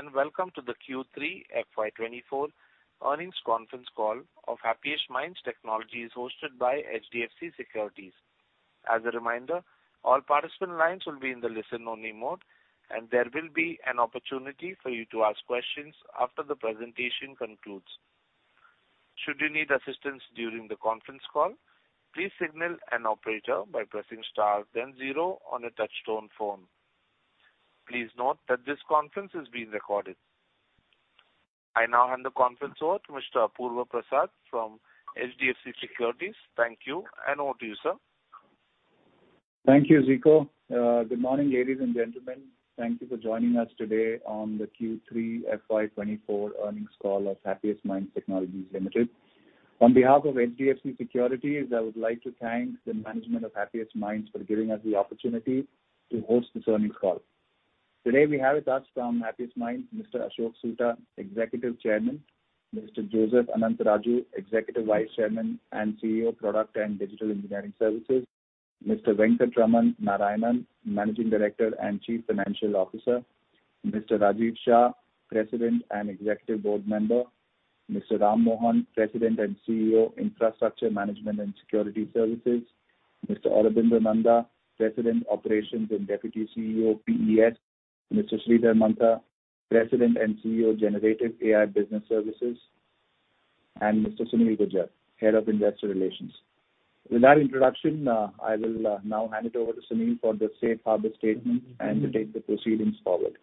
Ladies and gentlemen, good day, and welcome to the Q3 FY24 earnings conference call of Happiest Minds Technologies, hosted by HDFC Securities. As a reminder, all participant lines will be in the listen-only mode, and there will be an opportunity for you to ask questions after the presentation concludes. Should you need assistance during the conference call, please signal an operator by pressing star then zero on a touchtone phone. Please note that this conference is being recorded. I now hand the conference over to Mr. Apurva Prasad from HDFC Securities. Thank you, and over to you, sir. Thank you, Zico. Good morning, ladies and gentlemen. Thank you for joining us today on the Q3 FY2024 earnings call of Happiest Minds Technologies Limited. On behalf of HDFC Securities, I would like to thank the management of Happiest Minds for giving us the opportunity to host this earnings call. Today, we have with us from Happiest Minds, Mr. Ashok Soota, Executive Chairman, Mr. Joseph Anantharaju, Executive Vice Chairman and CEO, Product and Digital Engineering Services, Mr. Venkatraman Narayanan, Managing Director and Chief Financial Officer, Mr. Rajiv Shah, President and Executive Board Member, Mr. Ram Mohan, President and CEO, Infrastructure Management and Security Services, Mr. Aurobindo Nanda, President, Operations and Deputy CEO, PES, Mr. Sridhar Mantha, President and CEO, Generative AI Business Services, and Mr. Sunil Gujjar, Head of Investor Relations. With that introduction, I will now hand it over to Sunil for the safe harbor statement and to take the proceedings forward.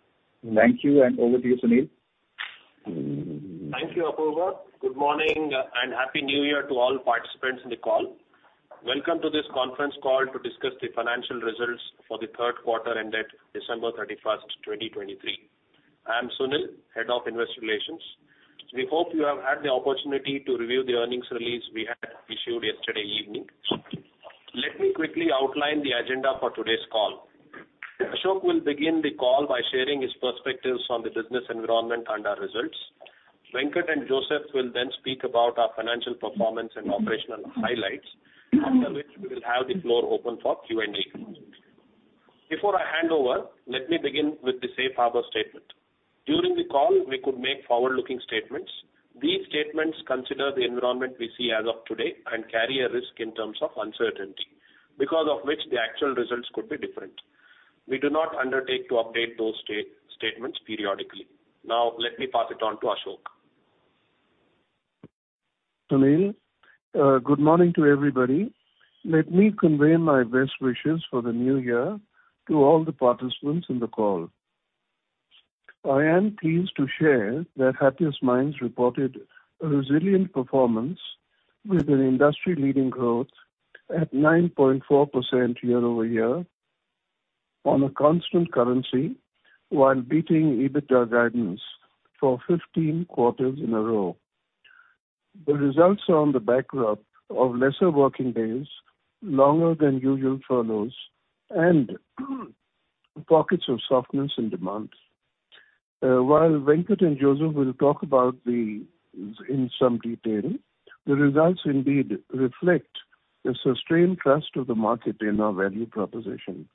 Thank you, and over to you, Sunil. Thank you, Apurva. Good morning, and Happy New Year to all participants in the call. Welcome to this conference call to discuss the financial results for the third quarter ended December 31, 2023. I am Sunil, Head of Investor Relations. We hope you have had the opportunity to review the earnings release we had issued yesterday evening. Let me quickly outline the agenda for today's call. Ashok will begin the call by sharing his perspectives on the business environment and our results. Venkat and Joseph will then speak about our financial performance and operational highlights, after which we will have the floor open for Q&A. Before I hand over, let me begin with the safe harbor statement. During the call, we could make forward-looking statements. These statements consider the environment we see as of today and carry a risk in terms of uncertainty, because of which the actual results could be different. We do not undertake to update those statements periodically. Now let me pass it on to Ashok. Sunil, good morning to everybody. Let me convey my best wishes for the new year to all the participants in the call. I am pleased to share that Happiest Minds reported a resilient performance with an industry-leading growth at 9.4% year-over-year on a constant currency, while beating EBITDA guidance for 15 quarters in a row. The results are on the backdrop of lesser working days, longer than usual furloughs, and pockets of softness and demand. While Venkat and Joseph will talk about these in some detail, the results indeed reflect the sustained trust of the market in our value propositions.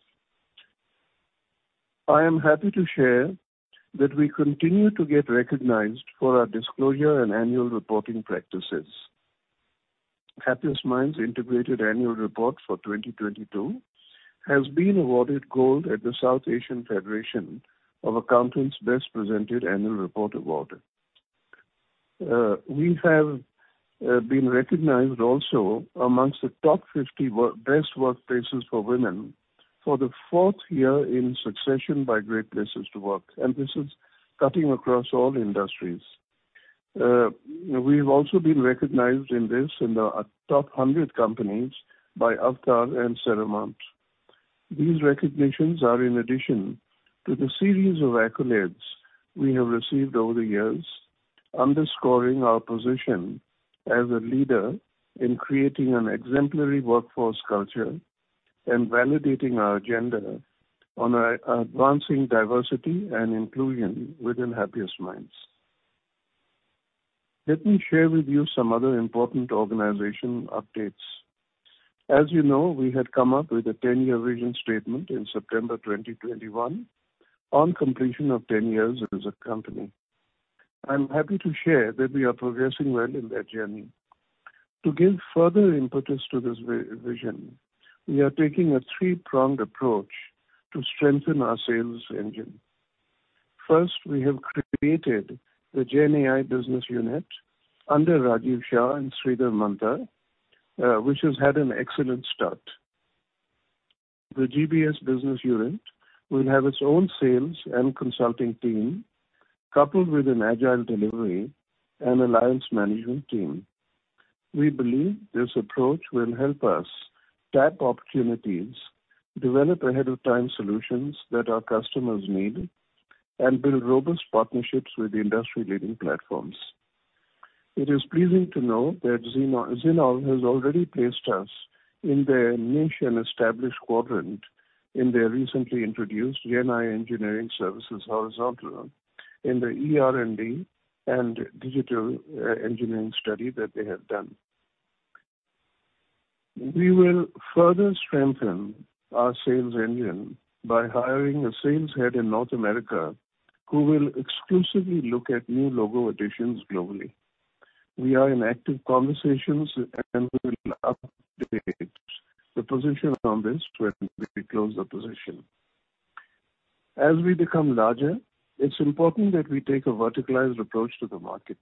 I am happy to share that we continue to get recognized for our disclosure and annual reporting practices. Happiest Minds Integrated Annual Report for 2022 has been awarded gold at the South Asian Federation of Accountants' Best Presented Annual Report Award. We have been recognized also amongst the top 50 best workplaces for women for the fourth year in succession by Great Place to Work, and this is cutting across all industries. We've also been recognized in the top 100 companies by Avtar and Seramount. These recognitions are in addition to the series of accolades we have received over the years, underscoring our position as a leader in creating an exemplary workforce culture and validating our agenda on advancing diversity and inclusion within Happiest Minds. Let me share with you some other important organization updates. As you know, we had come up with a 10-year vision statement in September 2021 on completion of 10 years as a company. I'm happy to share that we are progressing well in that journey. To give further impetus to this vision, we are taking a three-pronged approach to strengthen our sales engine. First, we have created the GenAI business unit under Rajiv Shah and Sridhar Mantha, which has had an excellent start. The GBS business unit will have its own sales and consulting team, coupled with an agile delivery and alliance management team. We believe this approach will help us tap opportunities, develop ahead of time solutions that our customers need, and build robust partnerships with industry-leading platforms. It is pleasing to know that Zinnov has already placed us in their niche and established quadrant in their recently introduced GenAI engineering services horizontal in the ER&D and digital engineering study that they have done. We will further strengthen our sales engine by hiring a sales head in North America, who will exclusively look at new logo additions globally. We are in active conversations, and we will update the position on this when we close the position. As we become larger, it's important that we take a verticalized approach to the market.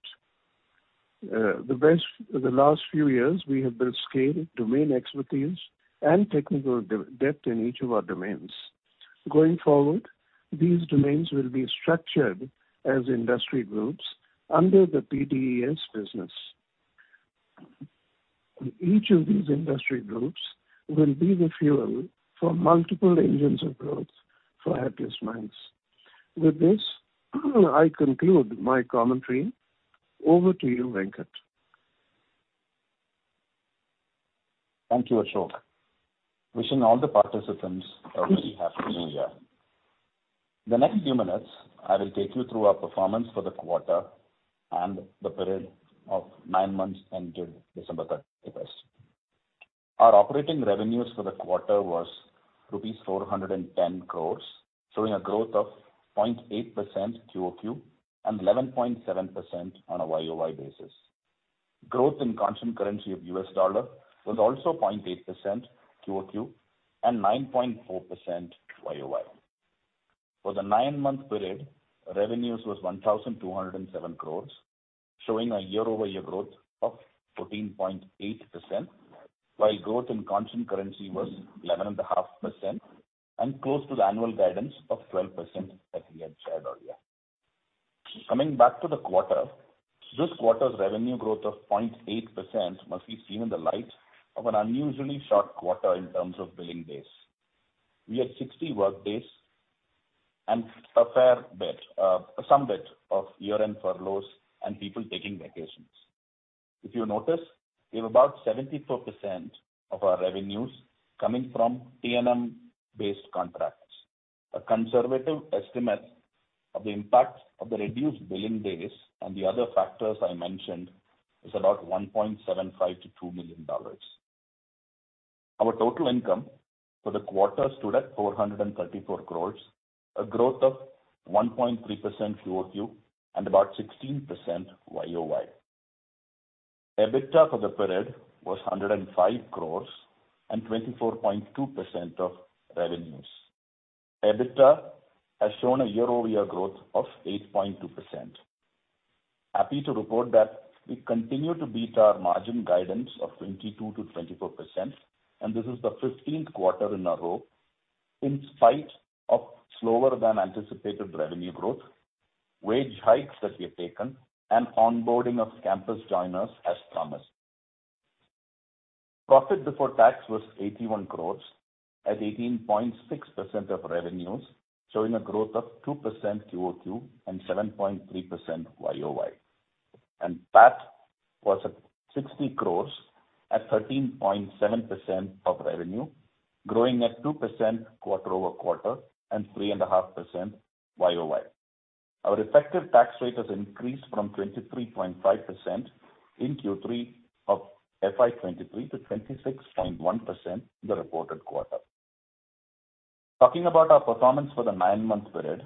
The last few years, we have built scale, domain expertise, and technical depth in each of our domains. Going forward, these domains will be structured as industry groups under the PDES business. Each of these industry groups will be the fuel for multiple engines of growth for Happiest Minds. With this, I conclude my commentary. Over to you, Venkat. Thank you, Ashok. Wishing all the participants a very happy new year. The next few minutes, I will take you through our performance for the quarter and the period of nine months ended December 31. Our operating revenues for the quarter was rupees 410 crore, showing a growth of 0.8% QoQ, and 11.7% on a YoY basis. Growth in constant currency of U.S. dollar was also 0.8% QoQ, and 9.4% YoY. For the nine-month period, revenues was 1,207 crore, showing a year-over-year growth of 14.8%, while growth in constant currency was 11.5%, and close to the annual guidance of 12% that we had shared earlier. Coming back to the quarter, this quarter's revenue growth of 0.8% must be seen in the light of an unusually short quarter in terms of billing days. We had 60 work days and a fair bit, some bit of year-end furloughs and people taking vacations. If you notice, we have about 74% of our revenues coming from T&M-based contracts. A conservative estimate of the impact of the reduced billing days and the other factors I mentioned is about $1.75 million-$2 million. Our total income for the quarter stood at 434 crore, a growth of 1.3% QoQ and about 16% YoY. EBITDA for the period was 105 crore and 24.2% of revenues. EBITDA has shown a year-over-year growth of 8.2%. Happy to report that we continue to beat our margin guidance of 22%-24%, and this is the 15th quarter in a row, in spite of slower than anticipated revenue growth, wage hikes that we have taken, and onboarding of campus joiners as promised. Profit before tax was 81 crore, at 18.6% of revenues, showing a growth of 2% QoQ and 7.3% YoY. PAT was at 60 crore, at 13.7% of revenue, growing at 2% quarter over quarter and 3.5% YoY. Our effective tax rate has increased from 23.5% in Q3 of FY 2023 to 26.1% in the reported quarter. Talking about our performance for the nine-month period,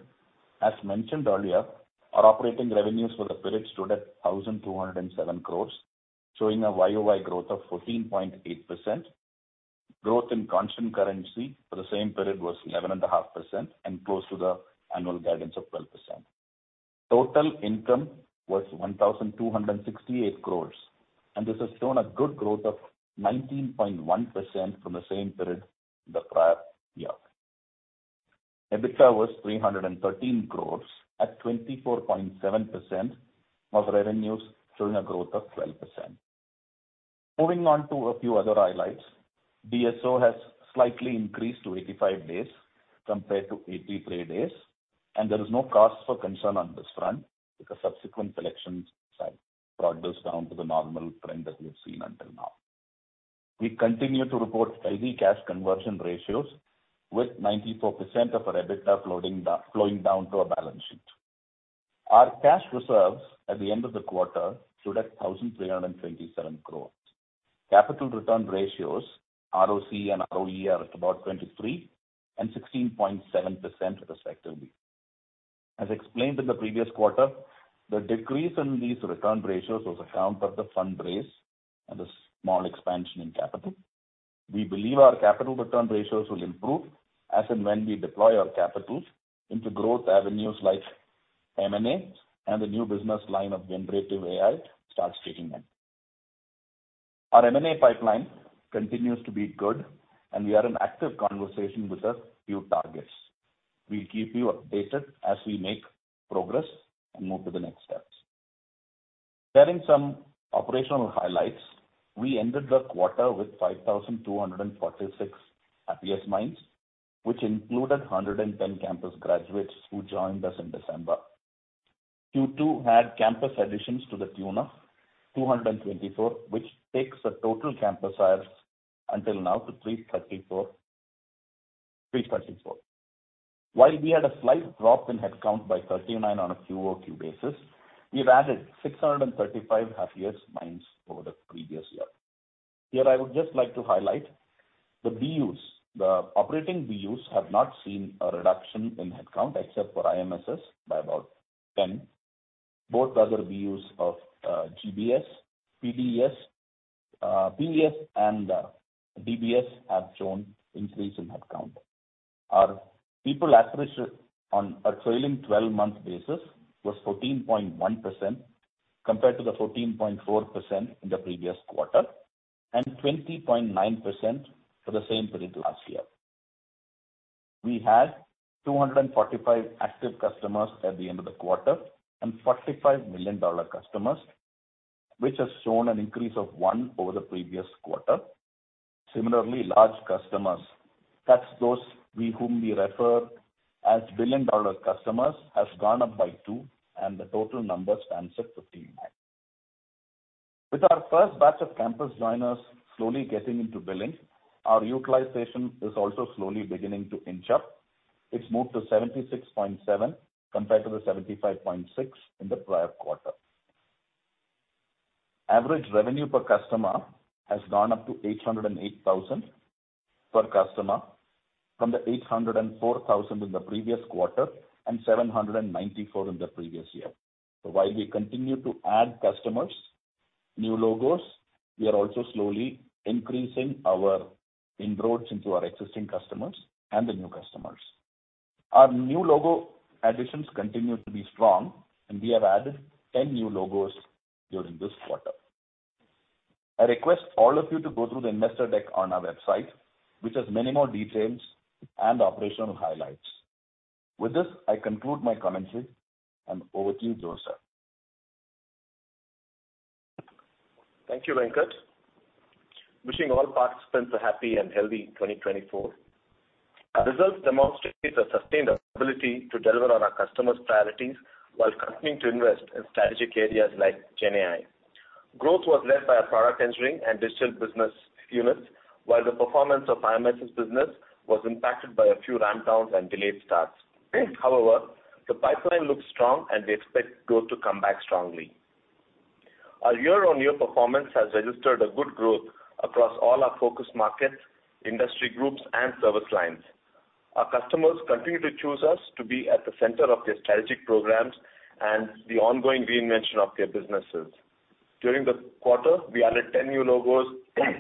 as mentioned earlier, our operating revenues for the period stood at 1,207 crore, showing a YoY growth of 14.8%. Growth in constant currency for the same period was 11.5%, and close to the annual guidance of 12%. Total income was 1,268 crore, and this has shown a good growth of 19.1% from the same period the prior year. EBITDA was 313 crore, at 24.7% of revenues, showing a growth of 12%. Moving on to a few other highlights. DSO has slightly increased to 85 days compared to 83 days, and there is no cause for concern on this front, because subsequent collections have brought this down to the normal trend that we've seen until now. We continue to report healthy cash conversion ratios, with 94% of our EBITDA flowing down to our balance sheet. Our cash reserves at the end of the quarter stood at 1,327 crore. Capital return ratios, ROC and ROE, are at about 23% and 16.7%, respectively. As explained in the previous quarter, the decrease in these return ratios was account of the fund raise and the small expansion in capital. We believe our capital return ratios will improve as and when we deploy our capitals into growth avenues like M&A and the new business line of generative AI starts kicking in. Our M&A pipeline continues to be good, and we are in active conversation with a few targets. We'll keep you updated as we make progress and move to the next steps. Sharing some operational highlights, we ended the quarter with 5,246 Happiest Minds, which included 110 campus graduates who joined us in December. Q2 had campus additions to the tune of 224, which takes the total campus hires until now to 334. While we had a slight drop in headcount by 39 on a QoQ basis, we have added 635 Happiest Minds over the previous year. Here, I would just like to highlight the BUs. The operating BUs have not seen a reduction in headcount, except for IMSS, by about 10. Both other BUs of GBS, PES, and DBS have shown increase in headcount. Our people attrition on a trailing twelve-month basis was 14.1%, compared to the 14.4% in the previous quarter, and 20.9% for the same period last year. We had 245 active customers at the end of the quarter, and 45 million-dollar customers, which has shown an increase of 1 over the previous quarter. Similarly, large customers, that's those whom we refer as billion-dollar customers, has gone up by 2, and the total number stands at 59. With our first batch of campus joiners slowly getting into billing, our utilization is also slowly beginning to inch up. It's moved to 76.7, compared to the 75.6 in the prior quarter. Average revenue per customer has gone up to 808,000 per customer, from the 804,000 in the previous quarter and 794,000 in the previous year. So while we continue to add customers, new logos, we are also slowly increasing our inroads into our existing customers and the new customers. Our new logo additions continue to be strong, and we have added 10 new logos during this quarter. I request all of you to go through the investor deck on our website, which has many more details and operational highlights. With this, I conclude my comments here, and over to you, Joseph. Thank you, Venkat. Wishing all participants a happy and healthy 2024. Our results demonstrates a sustained ability to deliver on our customers' priorities while continuing to invest in strategic areas like GenAI. Growth was led by our product engineering and digital business units, while the performance of IMSS business was impacted by a few ramp downs and delayed starts. However, the pipeline looks strong and we expect growth to come back strongly. Our year-on-year performance has registered a good growth across all our focus markets, industry groups, and service lines. Our customers continue to choose us to be at the center of their strategic programs and the ongoing reinvention of their businesses. During the quarter, we added 10 new logos.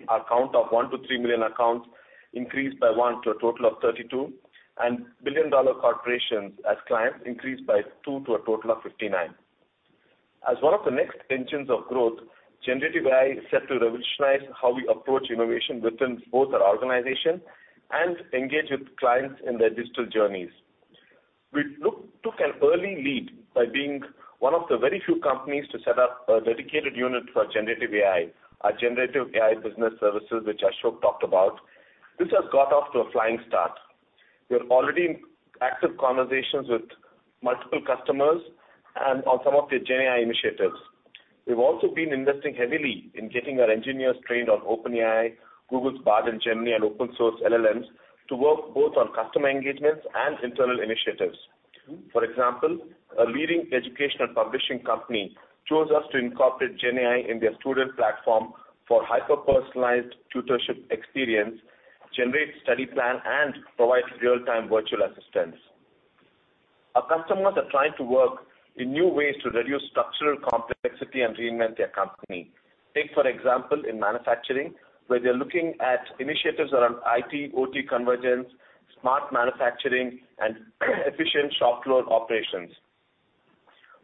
Our count of 1-3 million accounts increased by 1, to a total of 32, and billion-dollar corporations as clients increased by 2, to a total of 59. As one of the next engines of growth, generative AI is set to revolutionize how we approach innovation within both our organization and engage with clients in their digital journeys. We took an early lead by being one of the very few companies to set up a dedicated unit for generative AI, our generative AI business services, which Ashok talked about. This has got off to a flying start. We are already in active conversations with multiple customers and on some of their GenAI initiatives. We've also been investing heavily in getting our engineers trained on OpenAI, Google's Bard and Gemini, and open source LLMs to work both on customer engagements and internal initiatives. For example, a leading educational publishing company chose us to incorporate GenAI in their student platform for hyper-personalized tutorship experience, generate study plan, and provide real-time virtual assistance. Our customers are trying to work in new ways to reduce structural complexity and reinvent their company. Take, for example, in manufacturing, where they're looking at initiatives around IT/OT Convergence, smart manufacturing, and efficient shop floor operations.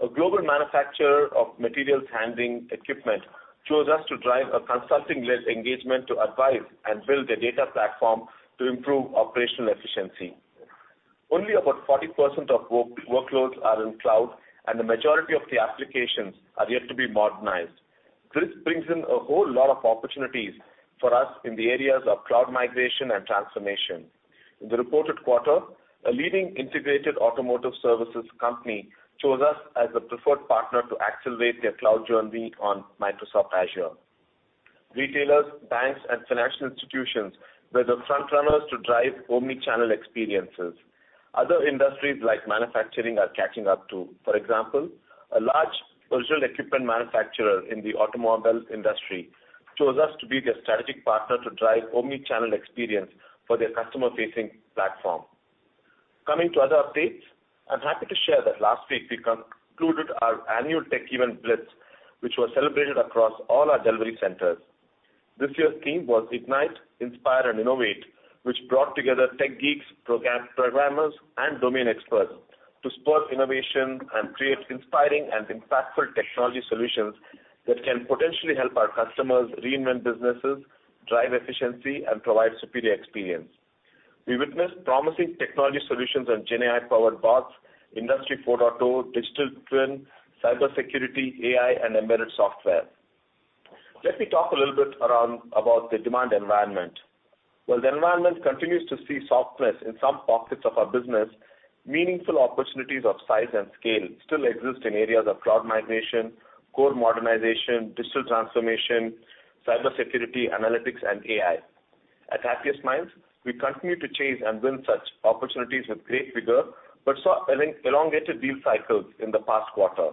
A global manufacturer of materials handling equipment chose us to drive a consulting-led engagement to advise and build a data platform to improve operational efficiency. Only about 40% of workloads are in cloud, and the majority of the applications are yet to be modernized. This brings in a whole lot of opportunities for us in the areas of cloud migration and transformation. In the reported quarter, a leading integrated automotive services company chose us as the preferred partner to accelerate their cloud journey on Microsoft Azure. Retailers, banks, and financial institutions were the front runners to drive omni-channel experiences. Other industries, like manufacturing, are catching up, too. For example, a large original equipment manufacturer in the automobile industry chose us to be their strategic partner to drive omni-channel experience for their customer-facing platform. Coming to other updates, I'm happy to share that last week we concluded our annual tech event, Blitz, which was celebrated across all our delivery centers. This year's theme was Ignite, Inspire, and Innovate, which brought together tech geeks, programmers, and domain experts to spur innovation and create inspiring and impactful technology solutions that can potentially help our customers reinvent businesses, drive efficiency, and provide superior experience. We witnessed promising technology solutions and GenAI-powered bots, Industry 4.0, digital twin, cybersecurity, AI, and embedded software. Let me talk a little bit about the demand environment. While the environment continues to see softness in some pockets of our business, meaningful opportunities of size and scale still exist in areas of cloud migration, core modernization, digital transformation, cybersecurity, analytics, and AI. At Happiest Minds, we continue to chase and win such opportunities with great vigor, but saw elongated deal cycles in the past quarter.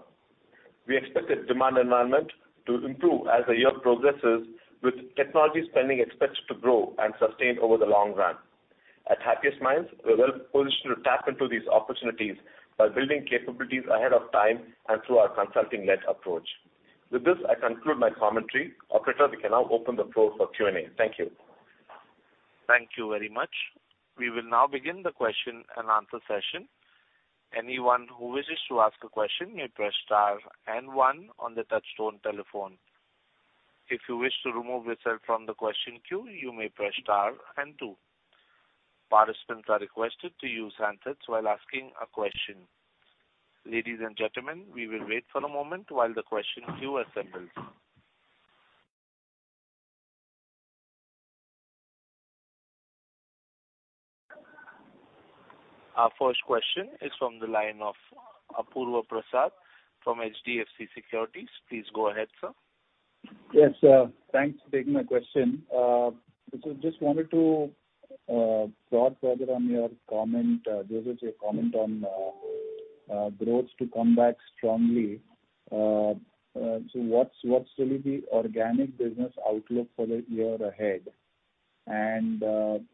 We expect the demand environment to improve as the year progresses, with technology spending expected to grow and sustain over the long run. At Happiest Minds, we're well positioned to tap into these opportunities by building capabilities ahead of time and through our consulting-led approach. With this, I conclude my commentary. Operator, we can now open the floor for Q&A. Thank you. Thank you very much. We will now begin the question-and-answer session. Anyone who wishes to ask a question, may press star and one on the touchtone telephone. If you wish to remove yourself from the question queue, you may press star and two. Participants are requested to use headsets while asking a question. Ladies and gentlemen, we will wait for a moment while the question queue assembles. Our first question is from the line of Apurva Prasad from HDFC Securities. Please go ahead, sir. Yes, thanks for taking my question. Just wanted to probe further on your comment, Joseph's comment on growth to come back strongly. So what's, what will be the organic business outlook for the year ahead? And,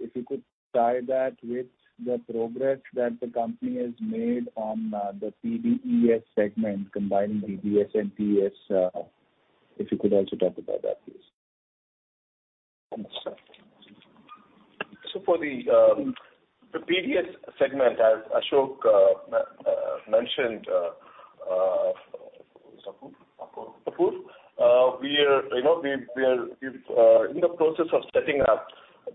if you could tie that with the progress that the company has made on the PDES segment, combining DBS and PES, if you could also talk about that, please. So for the PDES segment, as Ashok mentioned, Apur? Apur. Apur, we are, you know, we, we are, in the process of setting up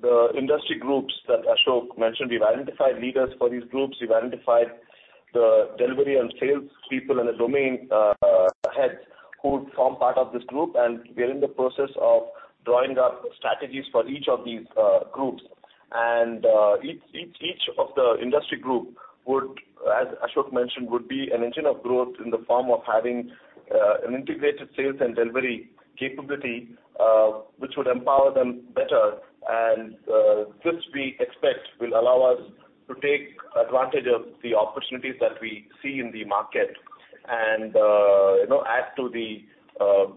the industry groups that Ashok mentioned. We've identified leaders for these groups. We've identified the delivery and sales people and the domain heads who form part of this group, and we are in the process of drawing up strategies for each of these groups. And, each, each, each of the industry group would, as Ashok mentioned, would be an engine of growth in the form of having, an integrated sales and delivery capability, which would empower them better. And, this, we expect, will allow us to take advantage of the opportunities that we see in the market and, you know, add to the,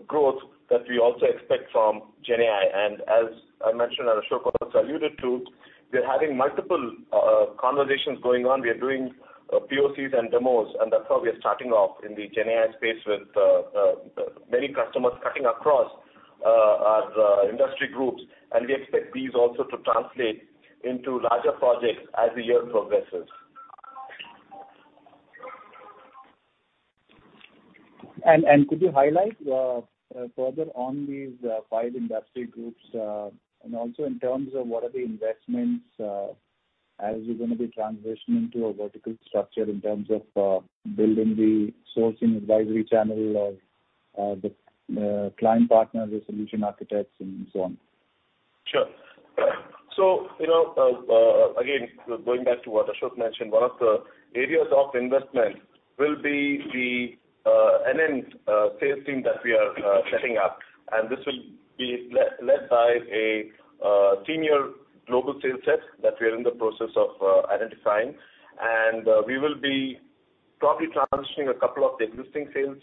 growth that we also expect from GenAI. As I mentioned, and Ashok also alluded to, we are having multiple conversations going on. We are doing POCs and demos, and that's how we are starting off in the GenAI space with many customers cutting across our industry groups, and we expect these also to translate into larger projects as the year progresses. Could you highlight further on these five industry groups? And also, in terms of what are the investments as you're gonna be transitioning to a vertical structure in terms of building the sourcing advisory channel or the client partners, the solution architects, and so on? Sure. So, you know, again, going back to what Ashok mentioned, one of the areas of investment will be the GenAI sales team that we are setting up, and this will be led by a senior global sales head that we are in the process of identifying. We will be probably transitioning a couple of the existing sales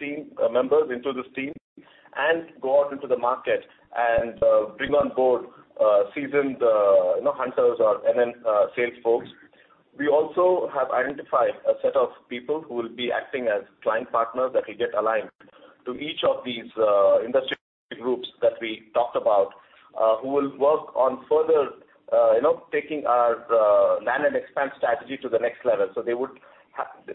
team members into this team and go out into the market and bring on board seasoned, you know, hunters or GenAI sales folks. We also have identified a set of people who will be acting as client partners that will get aligned to each of these industry groups that we talked about who will work on further, you know, taking our land and expand strategy to the next level.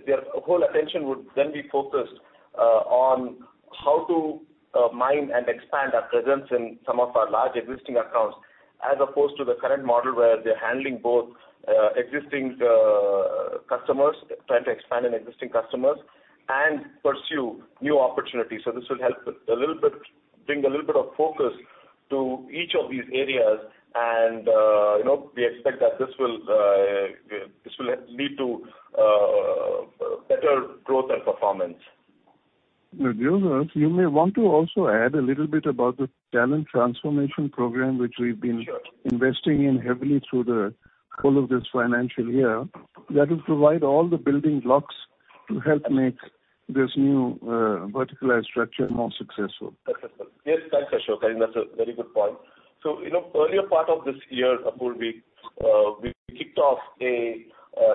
Their whole attention would then be focused on how to mine and expand our presence in some of our large existing accounts, as opposed to the current model, where they're handling both existing customers, trying to expand on existing customers, and pursue new opportunities. So this will help a little bit bring a little bit of focus to each of these areas, and you know, we expect that this will this will lead to better growth and performance. Joseph, you may want to also add a little bit about the talent transformation program, which we've been- Sure. -investing in heavily through the whole of this financial year. That will provide all the building blocks to help make this new, verticalized structure more successful. Successful. Yes, thanks, Ashok. I think that's a very good point. So, you know, earlier part of this year, Apurva, we kicked off a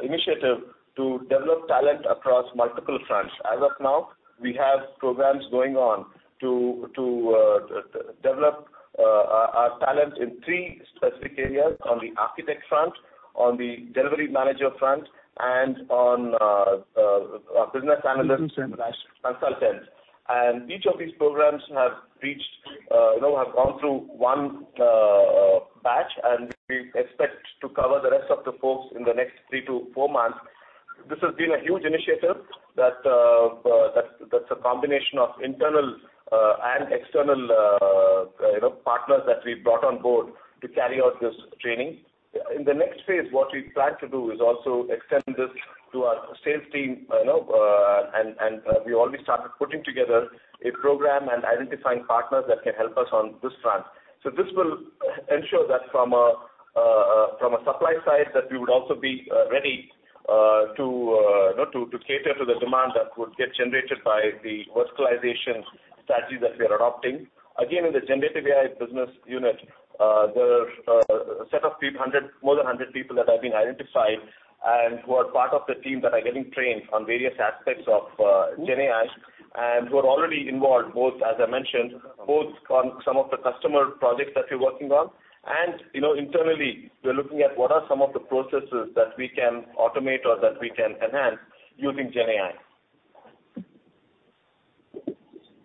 initiative to develop talent across multiple fronts. As of now, we have programs going on to develop our talent in three specific areas: on the architect front, on the delivery manager front, and on our business analyst- Consultants. consultants. Each of these programs have reached, you know, have gone through one batch, and we expect to cover the rest of the folks in the next three to four months. This has been a huge initiative that, that that's a combination of internal and external, you know, partners that we've brought on board to carry out this training. In the next phase, what we plan to do is also extend this to our sales team, you know, and we already started putting together a program and identifying partners that can help us on this front. This will ensure that from a, from a supply side, that we would also be ready to, you know, to cater to the demand that would get generated by the verticalization strategy that we are adopting. Again, in the generative AI business unit, there are a set of people, 100, more than 100 people that have been identified and who are part of the team that are getting trained on various aspects of GenAI, and who are already involved, both, as I mentioned, both on some of the customer projects that we're working on and, you know, internally, we're looking at what are some of the processes that we can automate or that we can enhance using GenAI.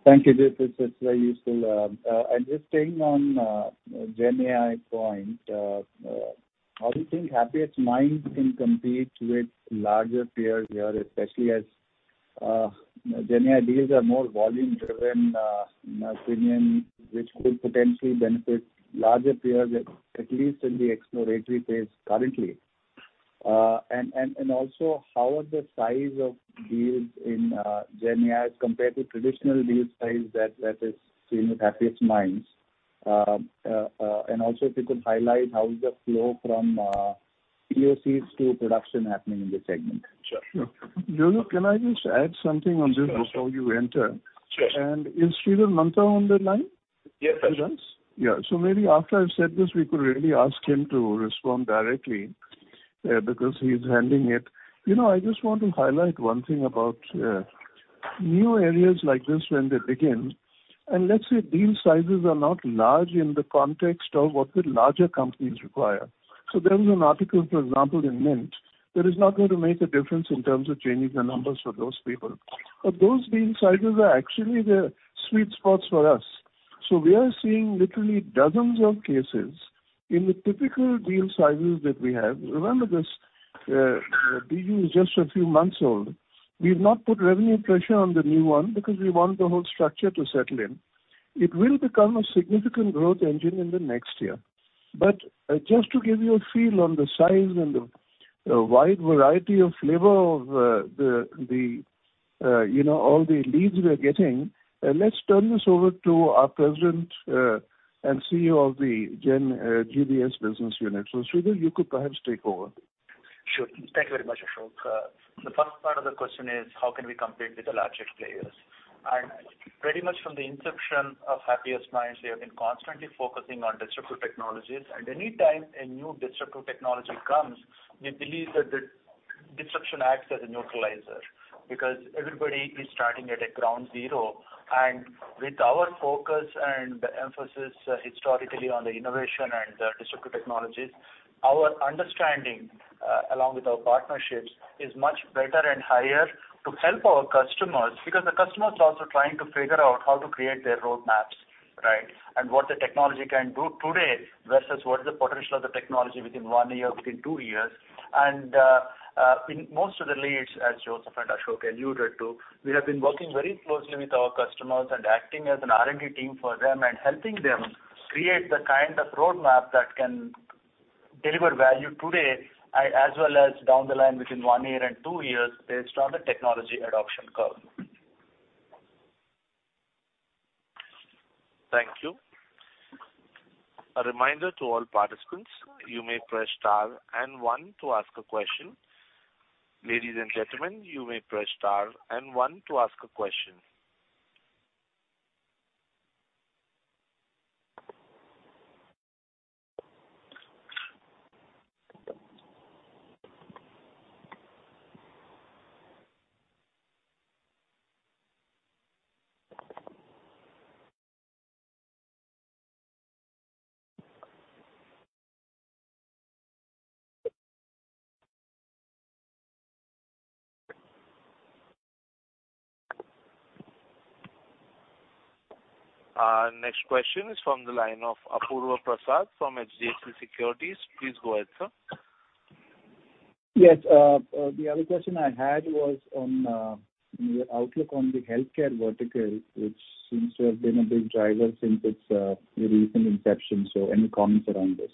Thank you, this is very useful. And just staying on GenAI point, how do you think Happiest Minds can compete with larger peers here, especially as GenAI deals are more volume-driven, in our opinion, which could potentially benefit larger peers, at least in the exploratory phase currently. And also, how are the size of deals in GenAI compared to traditional deal size that is seen with Happiest Minds? And also, if you could highlight how is the flow from POCs to production happening in this segment? Sure. Sure. Joseph, can I just add something on this before you enter? Sure. Is Sridhar Mantha on the line? Yes. Yeah. So maybe after I've said this, we could really ask him to respond directly, because he's handling it. You know, I just want to highlight one thing about, new areas like this when they begin, and let's say deal sizes are not large in the context of what the larger companies require. So there is an article, for example, in Mint, that is not going to make a difference in terms of changing the numbers for those people. But those deal sizes are actually the sweet spots for us. So we are seeing literally dozens of cases in the typical deal sizes that we have. Remember, this, BU is just a few months old. We've not put revenue pressure on the new one because we want the whole structure to settle in. It will become a significant growth engine in the next year. But, just to give you a feel on the size and the wide variety of flavor of the you know all the leads we are getting, let's turn this over to our President and CEO of the Gen GBS business unit. So, Sridhar, you could perhaps take over. Sure. Thank you very much, Ashok. The first part of the question is, how can we compete with the larger players? Pretty much from the inception of Happiest Minds, we have been constantly focusing on disruptive technologies. Anytime a new disruptive technology comes, we believe that the disruption acts as a neutralizer, because everybody is starting at a ground zero. With our focus and emphasis historically on the innovation and disruptive technologies, our understanding, along with our partnerships, is much better and higher to help our customers, because the customer is also trying to figure out how to create their roadmaps, right? What the technology can do today versus what is the potential of the technology within one year, within two years. in most of the leads, as Joseph and Ashok alluded to, we have been working very closely with our customers and acting as an R&D team for them and helping them create the kind of roadmap that can deliver value today, as well as down the line between one year and two years, based on the technology adoption curve. Thank you. A reminder to all participants, you may press star and one to ask a question. Ladies and gentlemen, you may press star and one to ask a question. Our next question is from the line of Apurva Prasad from HDFC Securities. Please go ahead, sir. Yes, the other question I had was on your outlook on the healthcare vertical, which seems to have been a big driver since its recent inception. So any comments around this?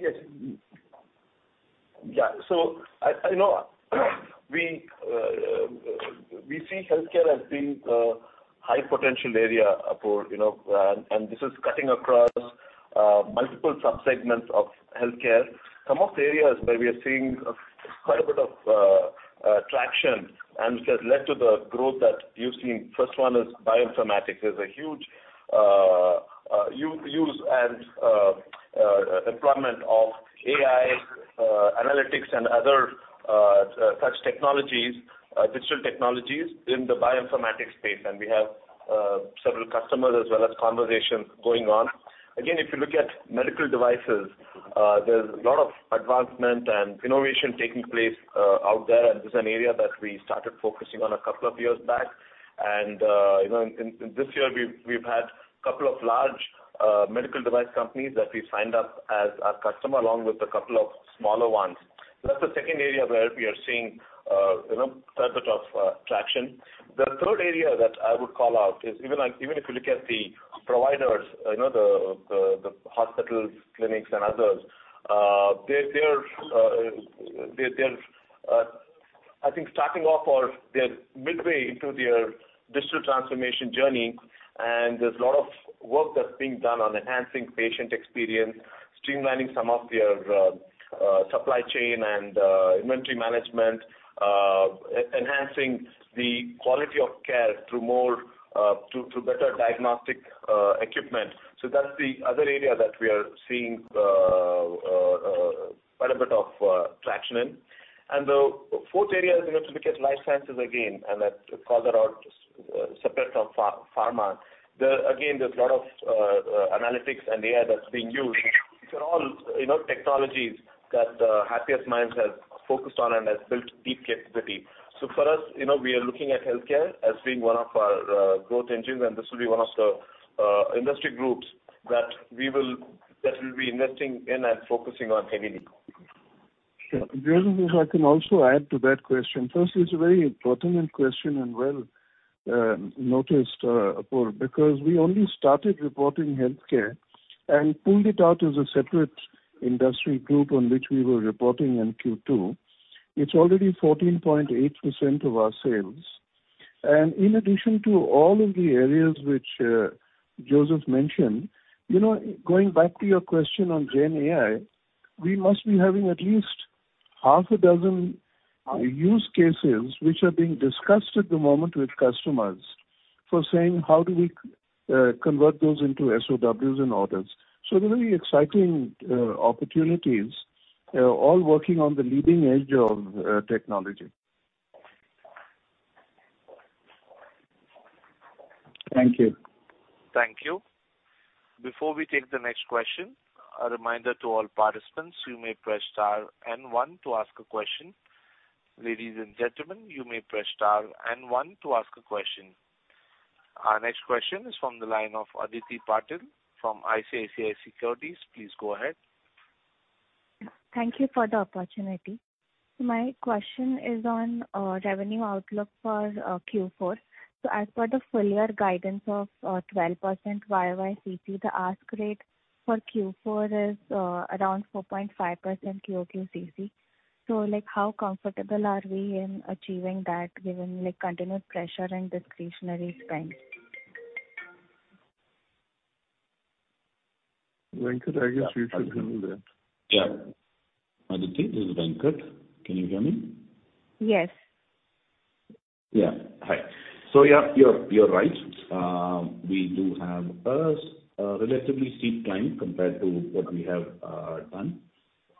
Yes. Yeah. So I know we see healthcare as being a high potential area, Apurva, you know, and this is cutting across multiple subsegments of healthcare. Some of the areas where we are seeing quite a bit of traction and which has led to the growth that you've seen. First one is bioinformatics. There's a huge use and deployment of AI, analytics and other such technologies, digital technologies in the bioinformatics space. And we have several customers as well as conversations going on. Again, if you look at medical devices, there's a lot of advancement and innovation taking place out there, and this is an area that we started focusing on a couple of years back. And, you know, in this year, we've had a couple of large medical device companies that we've signed up as our customer, along with a couple of smaller ones. That's the second area where we are seeing, you know, quite a bit of traction. The third area that I would call out is even if you look at the providers, you know, the hospitals, clinics, and others. They are, I think starting off or they're midway into their digital transformation journey, and there's a lot of work that's being done on enhancing patient experience, streamlining some of their supply chain and inventory management. Enhancing the quality of care through more through better diagnostic equipment. So that's the other area that we are seeing quite a bit of traction in. And the fourth area is, you know, to look at life sciences again, and I call that out separate from pharma. There, again, there's a lot of analytics and AI that's being used. These are all, you know, technologies that Happiest Minds has focused on and has built deep capability. So for us, you know, we are looking at healthcare as being one of our growth engines, and this will be one of the industry groups that we'll be investing in and focusing on heavily. Sure. Joseph, if I can also add to that question. First, it's a very pertinent question and well noted, Apurva, because we only started reporting healthcare and pulled it out as a separate industry group on which we were reporting in Q2. It's already 14.8% of our sales. And in addition to all of the areas which, Joseph mentioned, you know, going back to your question on GenAI, we must be having at least 6 use cases which are being discussed at the moment with customers, for saying how do we, convert those into SOWs and orders. So they're very exciting, opportunities, all working on the leading edge of, technology. Thank you. Thank you. Before we take the next question, a reminder to all participants, you may press star and one to ask a question. Ladies and gentlemen, you may press star and one to ask a question. Our next question is from the line of Aditi Patil from ICICI Securities. Please go ahead. Thank you for the opportunity. My question is on revenue outlook for Q4. So as per the full year guidance of 12% YoY CC, the ask rate for Q4 is around 4.5% QoQ CC. So, like, how comfortable are we in achieving that, given, like, continued pressure and discretionary spend? Venkat, I guess you should handle that. Yeah. Aditi, this is Venkat. Can you hear me? Yes. Yeah. Hi. So, yeah, you're right. We do have a relatively steep climb compared to what we have done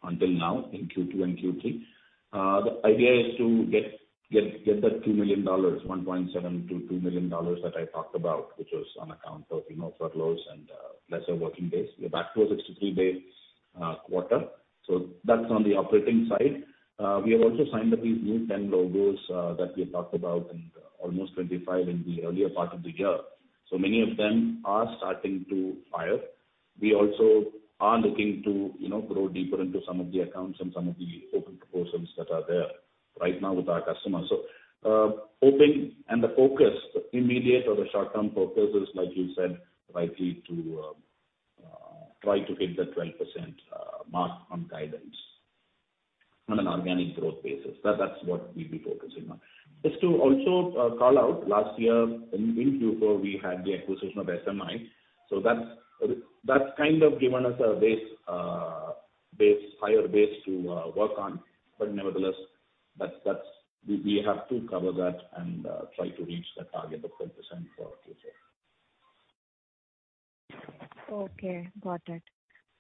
until now in Q2 and Q3. The idea is to get that $2 million, $1.7 million-$2 million, that I talked about, which was on account of, you know, furloughs and lesser working days. We're back to a 63-day quarter, so that's on the operating side. We have also signed up these new 10 logos that we talked about in almost 25 in the earlier part of the year. So many of them are starting to fire. We also are looking to, you know, grow deeper into some of the accounts and some of the open proposals that are there right now with our customers. So, hoping and the focus, the immediate or the short-term focus is, like you said, likely to try to hit the 12% mark on guidance on an organic growth basis. That's what we'll be focusing on. Just to also call out, last year in Q4, we had the acquisition of SMI. So that's kind of given us a higher base to work on. But nevertheless, we have to cover that and try to reach the target of 12% for Q4. Okay, got it.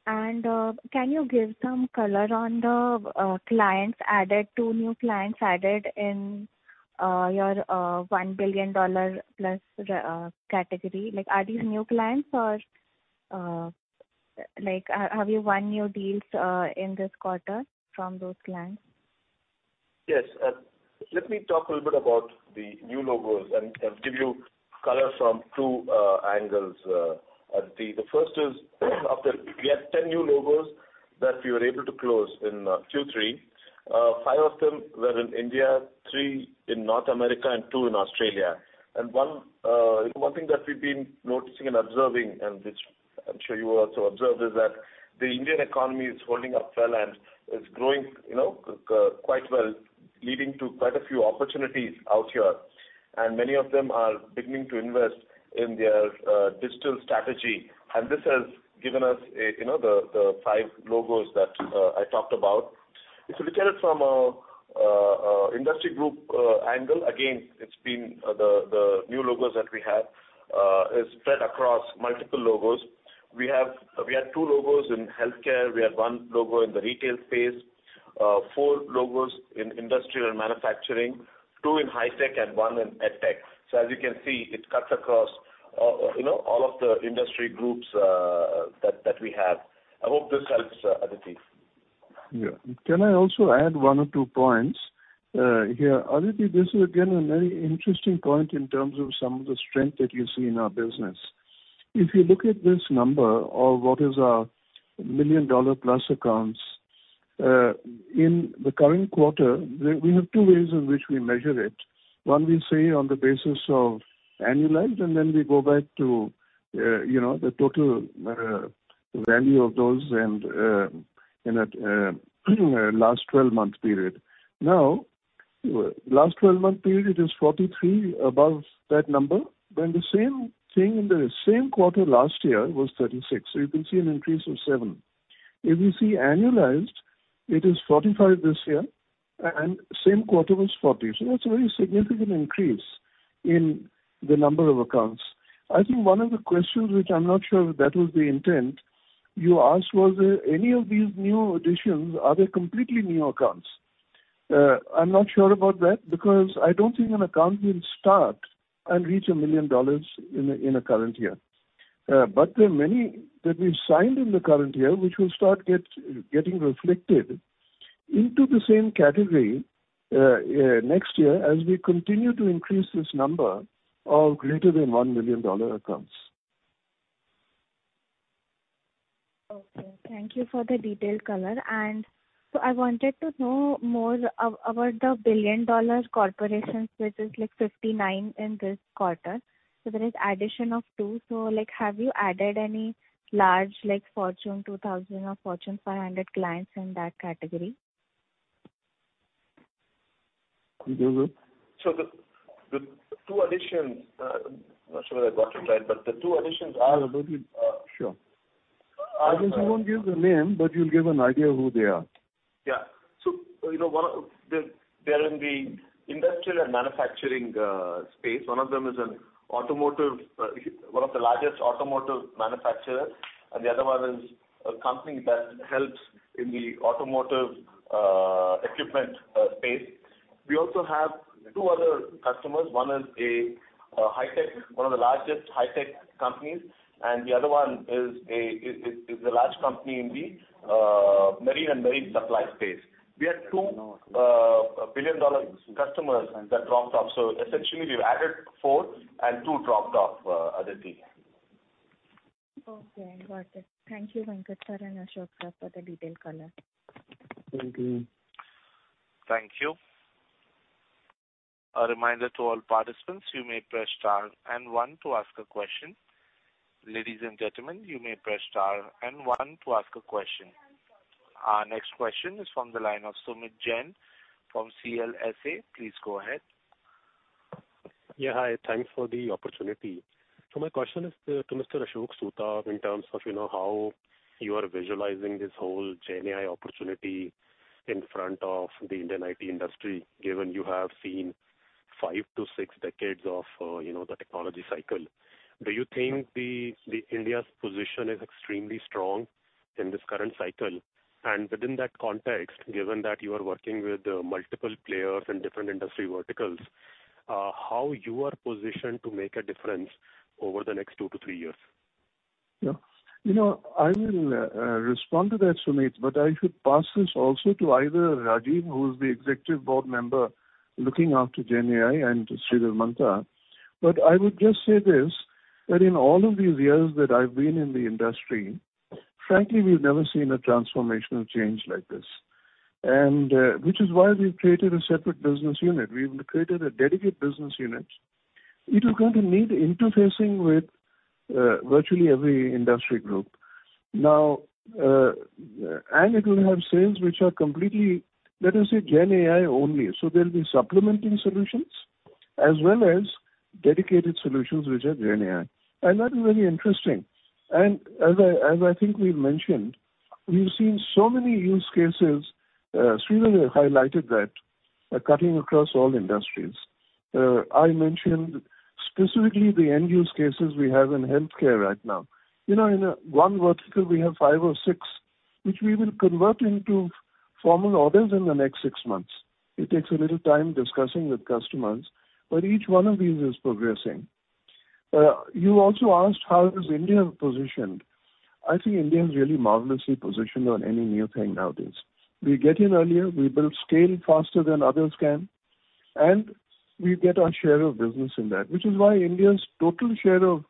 And, can you give some color on the clients added, 2 new clients added in your $1 billion-plus category? Like, are these new clients or like have you won new deals in this quarter from those clients? Yes. Let me talk a little bit about the new logos and give you color from two angles, Aditi. The first is, of the we had 10 new logos that we were able to close in Q3. Five of them were in India, three in North America, and two in Australia. And one thing that we've been noticing and observing, and which I'm sure you also observed, is that the Indian economy is holding up well and is growing, you know, quite well, leading to quite a few opportunities out here. And many of them are beginning to invest in their digital strategy, and this has given us a, you know, the five logos that I talked about. If you look at it from a industry group angle, again, it's been the new logos that we have is spread across multiple logos. We have -- We had two logos in healthcare, we had one logo in the retail space, four logos in industrial manufacturing, two in high tech, and one in edtech. So as you can see, it cuts across, you know, all of the industry groups that we have. I hope this helps, Aditi. Yeah. Can I also add one or two points, here? Aditi, this is again, a very interesting point in terms of some of the strength that you see in our business. If you look at this number of what is our million-dollar-plus accounts in the current quarter, we have two ways in which we measure it. One, we say on the basis of annualized, and then we go back to, you know, the total value of those and, in a last twelve-month period. Now, last twelve-month period is 43 above that number, then the same thing in the same quarter last year was 36, so you can see an increase of seven. If you see annualized, it is 45 this year, and same quarter was 40. So that's a very significant increase in the number of accounts. I think one of the questions, which I'm not sure if that was the intent, you asked, was, any of these new additions, are they completely new accounts? I'm not sure about that, because I don't think an account will start and reach $1 million in a current year. But there are many that we've signed in the current year, which will start getting reflected into the same category, next year as we continue to increase this number of greater than $1 million accounts. Okay, thank you for the detailed color. And so I wanted to know more about the billion-dollar corporations, which is, like, 59 in this quarter. So there is addition of 2, so, like, have you added any large, like, Fortune 2000 or Fortune 500 clients in that category? The two additions, I'm not sure where I got it, right, but the two additions are- Sure. I guess you won't give the name, but you'll give an idea who they are. Yeah. So, you know, one of... They, they're in the industrial and manufacturing space. One of them is an automotive, one of the largest automotive manufacturers, and the other one is a company that helps in the automotive equipment space. We also have two other customers. One is a high tech, one of the largest high tech companies, and the other one is a large company in the marine and marine supply space. We had two billion-dollar customers that dropped off. So essentially we've added four, and two dropped off, Aditi. Okay, got it. Thank you, Venkat, sir, and Ashok, sir, for the detailed color. Thank you. Thank you. A reminder to all participants, you may press star and one to ask a question. Ladies and gentlemen, you may press star and one to ask a question. Our next question is from the line of Sumeet Jain from CLSA. Please go ahead. Yeah, hi. Thanks for the opportunity. So my question is to, to Mr. Ashok Soota, in terms of, you know, how you are visualizing this whole GenAI opportunity in front of the Indian IT industry, given you have seen 5-6 decades of, you know, the technology cycle. Do you think the, the India's position is extremely strong in this current cycle? And within that context, given that you are working with, multiple players in different industry verticals, how you are positioned to make a difference over the next 2-3 years? Yeah. You know, I will, respond to that, Sumeet, but I should pass this also to either Rajiv, who is the executive board member looking after GenAI, and to Sridhar Mantha. But I would just say this, that in all of these years that I've been in the industry, frankly, we've never seen a transformational change like this. And, which is why we've created a separate business unit. We've created a dedicated business unit. It is going to need interfacing with, virtually every industry group. Now, and it will have sales which are completely, let us say, GenAI only. So there'll be supplementing solutions as well as dedicated solutions which are GenAI. And that is very interesting. And as I, as I think we've mentioned, we've seen so many use cases, Sridhar highlighted that, cutting across all industries. I mentioned specifically the end use cases we have in healthcare right now. You know, in one vertical, we have five or six, which we will convert into formal orders in the next six months. It takes a little time discussing with customers, but each one of these is progressing. You also asked: How is India positioned? I think India is really marvelously positioned on any new thing nowadays. We get in earlier, we build scale faster than others can, and we get our share of business in that. Which is why India's total share of,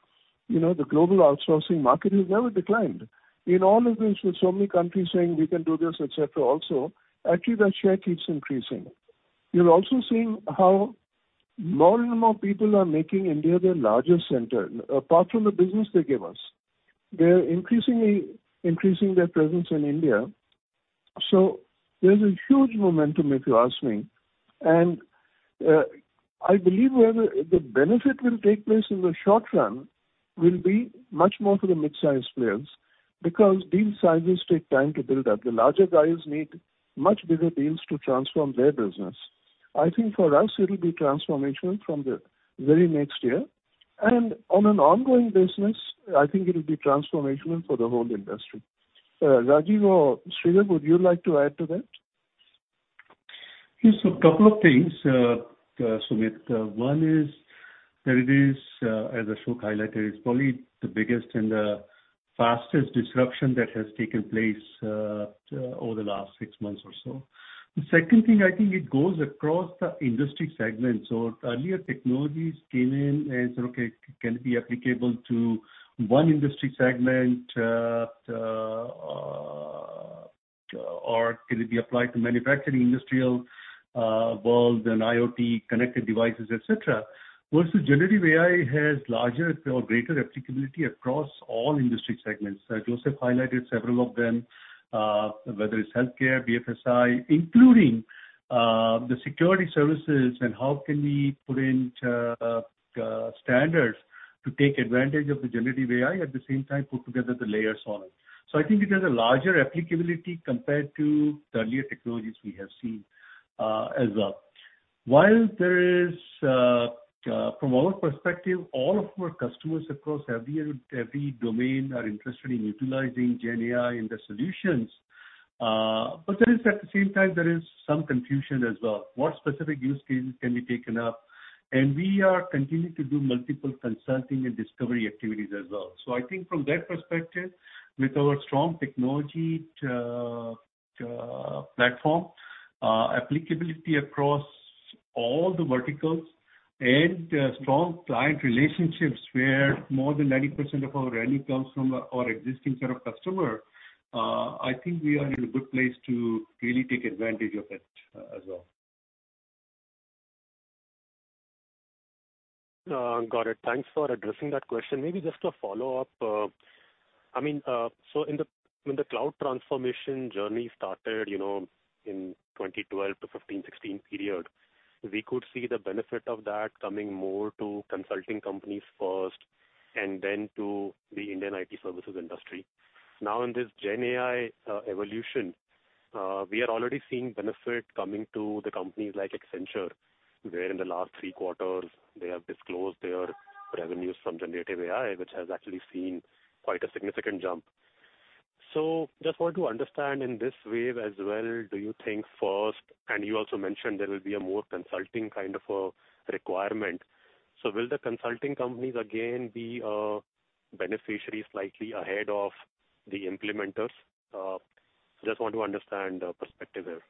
you know, the global outsourcing market has never declined. In all of this, with so many countries saying we can do this, et cetera, also, actually, that share keeps increasing. You're also seeing how more and more people are making India their largest center. Apart from the business they give us, they're increasingly increasing their presence in India. So there's a huge momentum, if you ask me. And, I believe where the, the benefit will take place in the short run will be much more for the mid-sized players, because deal sizes take time to build up. The larger guys need much bigger deals to transform their business. I think for us, it'll be transformational from the very next year. And on an ongoing business, I think it'll be transformational for the whole industry. Rajiv or Sridhar, would you like to add to that? Yes, so a couple of things, Sumeet. One is that it is, as Ashok highlighted, it's probably the biggest and fastest disruption that has taken place over the last six months or so. The second thing, I think it goes across the industry segments. So earlier technologies came in and said, okay, can it be applicable to one industry segment, or can it be applied to manufacturing, industrial world and IoT-connected devices, et cetera? Versus generative AI has larger or greater applicability across all industry segments. Joseph highlighted several of them, whether it's healthcare, BFSI, including the security services and how can we put in standards to take advantage of the generative AI, at the same time, put together the layers on it. So I think it has a larger applicability compared to the earlier technologies we have seen, as well. While there is, from our perspective, all of our customers across every domain are interested in utilizing GenAI in their solutions. But there is at the same time, there is some confusion as well. What specific use cases can be taken up? And we are continuing to do multiple consulting and discovery activities as well. So I think from that perspective, with our strong technology, platform, applicability across all the verticals and, strong client relationships, where more than 90% of our revenue comes from our existing set of customer, I think we are in a good place to really take advantage of it as well. Got it. Thanks for addressing that question. Maybe just a follow-up. I mean, so in the when the cloud transformation journey started, you know, in 2012 to 2015-16 period, we could see the benefit of that coming more to consulting companies first and then to the Indian IT services industry. Now, in this GenAI evolution, we are already seeing benefit coming to the companies like Accenture, where in the last three quarters they have disclosed their revenues from generative AI, which has actually seen quite a significant jump. So just want to understand in this wave as well, do you think first, and you also mentioned there will be a more consulting kind of a requirement. So will the consulting companies again be beneficiaries slightly ahead of the implementers? Just want to understand the perspective there.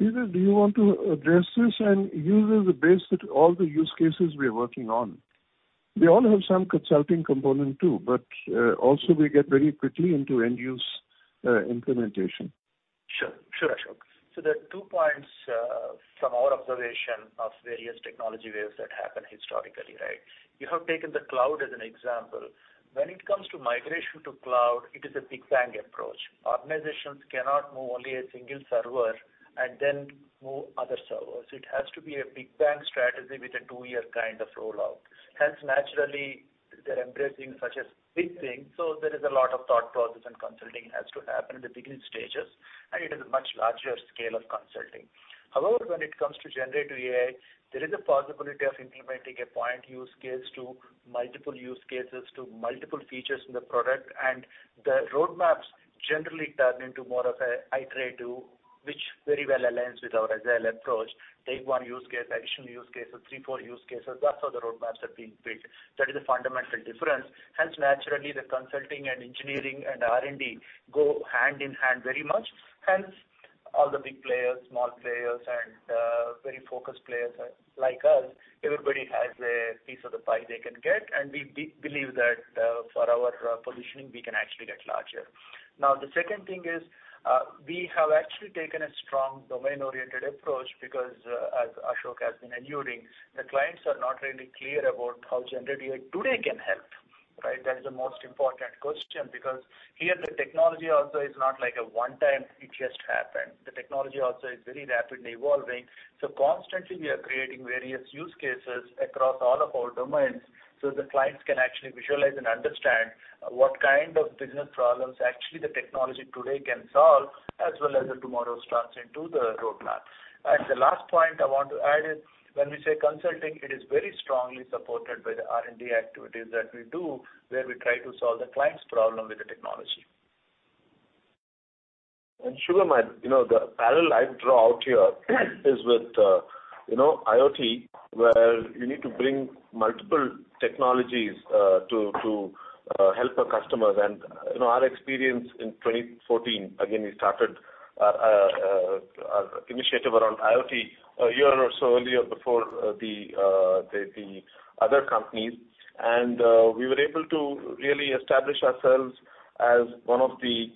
Sridhar, do you want to address this and use as a base with all the use cases we are working on? We all have some consulting component, too, but also we get very quickly into end use implementation. Sure. Sure, Ashok. So there are two points from our observation of various technology waves that happened historically, right? You have taken the cloud as an example. When it comes to migration to cloud, it is a big bang approach. Organizations cannot move only a single server and then move other servers. It has to be a big bang strategy with a two-year kind of rollout. Hence, naturally, they're embracing such a big thing, so there is a lot of thought process and consulting has to happen in the beginning stages, and it is a much larger scale of consulting. However, when it comes to generative AI, there is a possibility of implementing a point use case to multiple use cases, to multiple features in the product. And the roadmaps generally turn into more of a iterative, which very well aligns with our agile approach. Take one use case, additional use cases, three, four use cases. That's how the roadmaps are being built. That is a fundamental difference. Hence, naturally, the consulting and engineering and R&D go hand in hand very much. Hence, all the big players, small players, and very focused players like us, everybody has a piece of the pie they can get, and we believe that, for our positioning, we can actually get larger. Now, the second thing is, we have actually taken a strong domain-oriented approach because, as Ashok has been alluding, the clients are not really clear about how generative AI today can help, right? That is the most important question, because here the technology also is not like a one-time, it just happened. The technology also is very rapidly evolving. So constantly we are creating various use cases across all of our domains, so the clients can actually visualize and understand what kind of business problems actually the technology today can solve, as well as the tomorrow's transition to the roadmap. The last point I want to add is when we say consulting, it is very strongly supported by the R&D activities that we do, where we try to solve the client's problem with the technology. And Sumeet, you know, the parallel I draw out here is with, you know, IoT, where you need to bring multiple technologies, to help our customers. And, you know, our experience in 2014, again, we started initiative around IoT a year or so earlier, before the other companies. And, we were able to really establish ourselves as one of the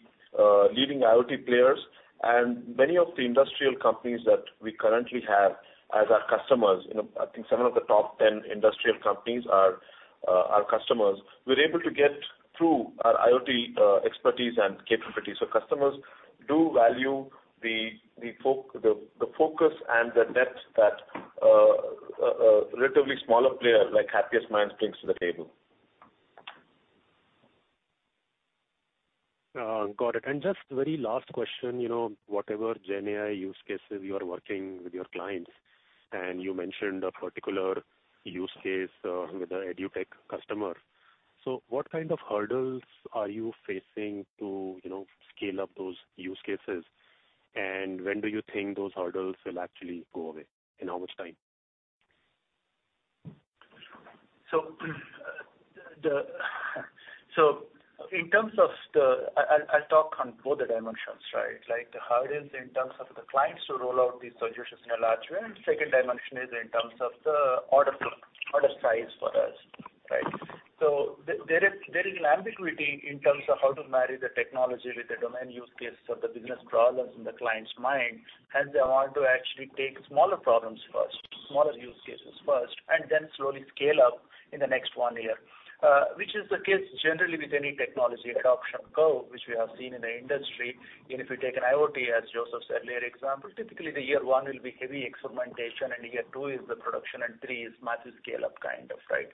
leading IoT players. And many of the industrial companies that we currently have as our customers, you know, I think some of the top 10 industrial companies are our customers. We're able to get through our IoT expertise and capabilities. So customers do value the focus and the depth that a relatively smaller player like Happiest Minds brings to the table. Got it. And just very last question, you know, whatever GenAI use cases you are working with your clients, and you mentioned a particular use case with the EdTech customer. So what kind of hurdles are you facing to, you know, scale up those use cases? And when do you think those hurdles will actually go away, in how much time?... So in terms of the, I'll talk on both the dimensions, right? Like, how it is in terms of the clients to roll out these solutions in a large way, and second dimension is in terms of the order size for us, right? So there is an ambiguity in terms of how to marry the technology with the domain use case of the business problems in the client's mind, as they want to actually take smaller problems first, smaller use cases first, and then slowly scale up in the next one year, which is the case generally with any technology adoption curve, which we have seen in the industry. Even if you take an IoT, as Joseph said earlier example, typically the year 1 will be heavy experimentation, and year 2 is the production, and 3 is massive scale-up, kind of, right?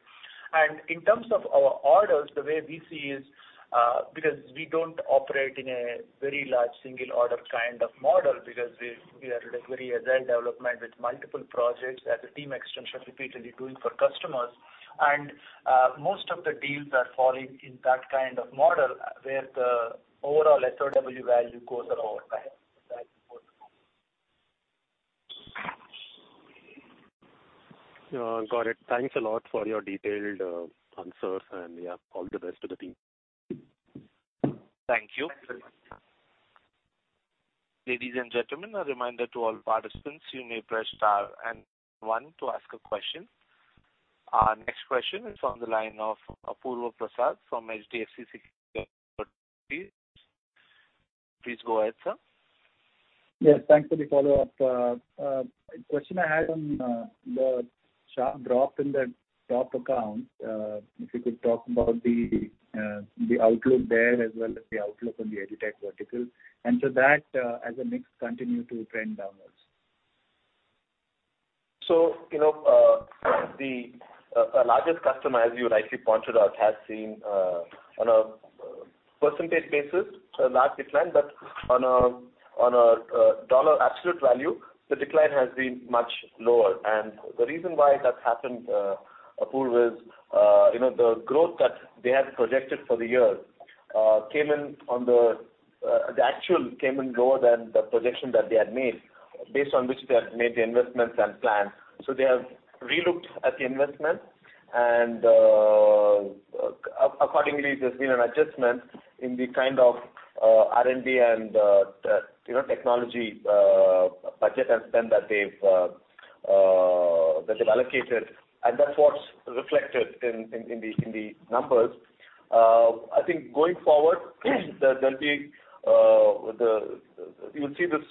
And in terms of our orders, the way we see is, because we don't operate in a very large single order kind of model, because we, we are very agile development with multiple projects as a team extension repeatedly doing for customers. And, most of the deals are falling in that kind of model, where the overall SOW value goes around, right? Got it. Thanks a lot for your detailed answers. Yeah, all the best to the team. Thank you. Ladies and gentlemen, a reminder to all participants, you may press star and one to ask a question. Our next question is on the line of Apurva Prasad from HDFC Securities. Please go ahead, sir. Yes, thanks for the follow-up. The question I had on the sharp drop in the top account, if you could talk about the outlook there, as well as the outlook on the EdTech vertical, and so that, as a mix, continue to trend downwards? So, you know, the largest customer, as you rightly pointed out, has seen, on a percentage basis, a large decline, but on a dollar absolute value, the decline has been much lower. And the reason why that's happened, Apurva is, you know, the growth that they had projected for the year came in on the, the actual came in lower than the projection that they had made, based on which they had made the investments and plans. So they have relooked at the investment, and accordingly, there's been an adjustment in the kind of R&D and the, you know, technology budget and spend that they've that they've allocated, and that's what's reflected in the numbers. I think going forward, there there'll be the... You'll see this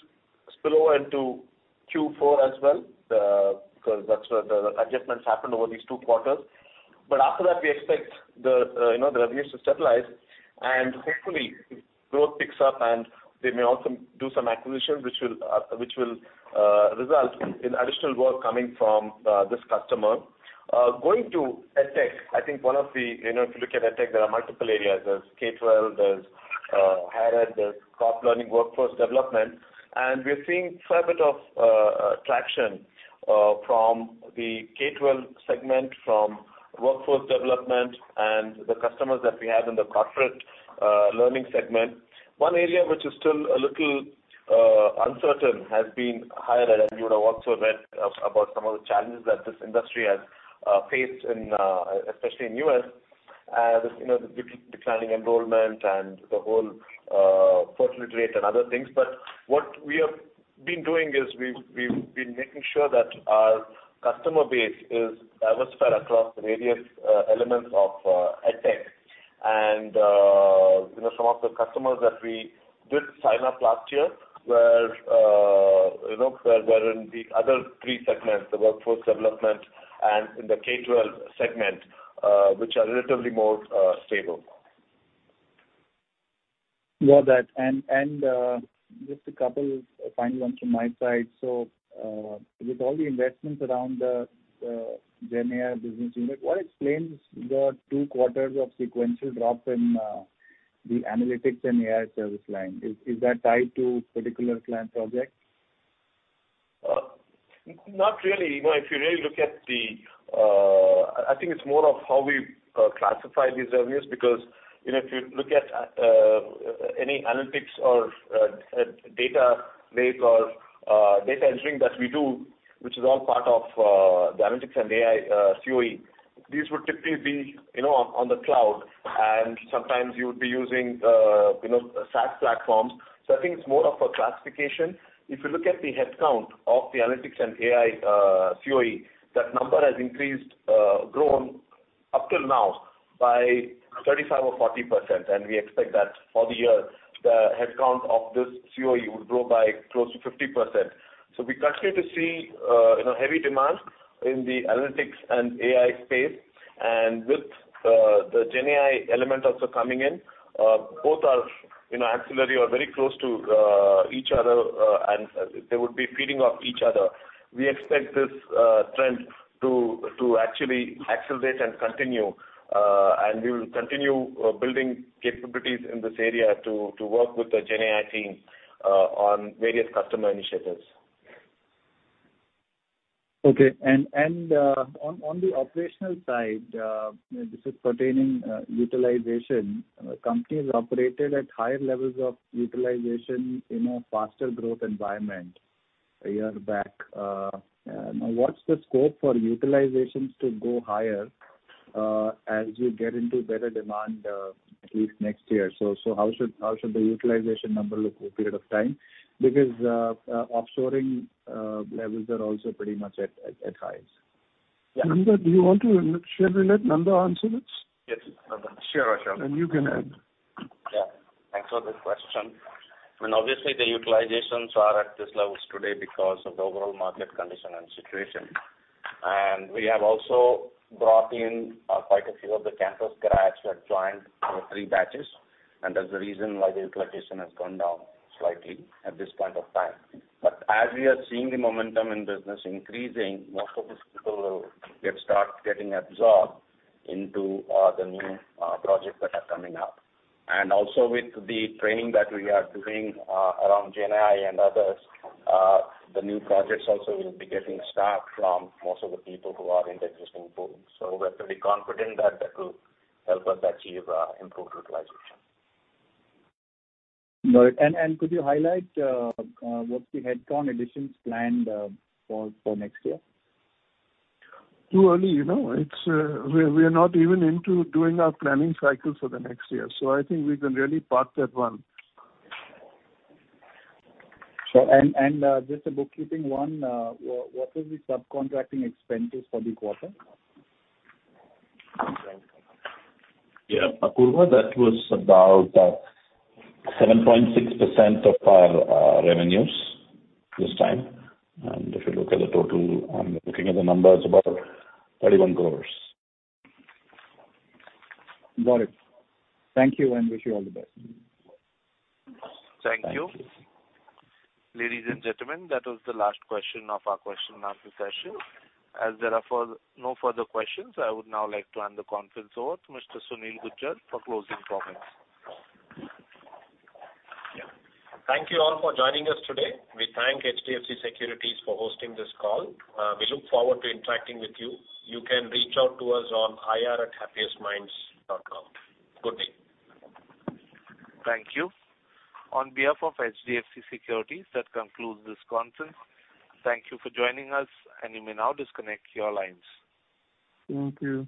spill over into Q4 as well, because that's where the adjustments happened over these two quarters. But after that, we expect the, you know, the revenues to stabilize, and hopefully, growth picks up and they may also do some acquisitions, which will result in additional work coming from this customer. Going to EdTech, I think one of the, you know, if you look at EdTech, there are multiple areas. There's K-12, there's higher ed, there's corporate learning workforce development, and we are seeing fair bit of traction from the K-12 segment, from workforce development and the customers that we have in the corporate learning segment. One area which is still a little uncertain has been higher ed, and you would have also read about some of the challenges that this industry has faced, especially in U.S. As you know, the declining enrollment and the whole fortunatrate and other things. But what we have been doing is we've been making sure that our customer base is diversified across various elements of EdTech. And you know, some of the customers that we did sign up last year were, you know, were in the other three segments, the workforce development and in the K-12 segment, which are relatively more stable. Got that. Just a couple final ones from my side. So, with all the investments around the GenAI business unit, what explains the two quarters of sequential drop in the analytics and AI service line? Is that tied to particular client project? Not really. You know, if you really look at the... I think it's more of how we classify these revenues, because, you know, if you look at any analytics or data lake or data engineering that we do, which is all part of the analytics and AI CoE, these would typically be, you know, on the cloud, and sometimes you would be using, you know, SaaS platforms. So I think it's more of a classification. If you look at the headcount of the analytics and AI CoE, that number has increased, grown up till now by 35% or 40%, and we expect that for the year, the headcount of this CoE would grow by close to 50%. So we continue to see, you know, heavy demand in the analytics and AI space. With the GenAI element also coming in, both are, you know, ancillary or very close to each other, and they would be feeding off each other. We expect this trend to actually accelerate and continue, and we will continue building capabilities in this area to work with the GenAI team on various customer initiatives. Okay. On the operational side, this is pertaining to utilization. Companies operated at higher levels of utilization in a faster growth environment a year back. And what's the scope for utilizations to go higher as you get into better demand, at least next year? So how should the utilization number look over a period of time? Because offshoring levels are also pretty much at highs. Nanda, shall we let Nanda answer this? Yes, sure, Ashok. You can add. Yeah, thanks for the question. I mean, obviously, the utilizations are at these levels today because of the overall market condition and situation. We have also brought in quite a few of the campus grads who have joined for three batches, and that's the reason why the utilization has gone down slightly at this point of time. But as we are seeing the momentum in business increasing, most of these people will start getting absorbed into the new projects that are coming up. Also, with the training that we are doing around GenAI and others, the new projects also will be getting staff from most of the people who are in the existing pool. So we're pretty confident that that will help us achieve improved utilization. No, and could you highlight what's the headcount additions planned for next year? Too early, you know. It's, we are, we are not even into doing our planning cycle for the next year, so I think we can really park that one. Sure. And just a bookkeeping one, what is the subcontracting expenses for the quarter? Yeah, Apurva, that was about 7.6% of our revenues this time. And if you look at the total, I'm looking at the numbers, about 31 crore. Got it. Thank you, and wish you all the best. Thank you. Thank you. Ladies and gentlemen, that was the last question of our question and answer session. As there are no further questions, I would now like to hand the conference over to Mr. Sunil Gujjar for closing comments. Thank you all for joining us today. We thank HDFC Securities for hosting this call. We look forward to interacting with you. You can reach out to us on ir@happiestminds.com. Good day. Thank you. On behalf of HDFC Securities, that concludes this conference. Thank you for joining us, and you may now disconnect your lines. Thank you.